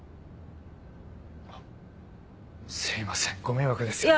すいませんご迷惑ですよね。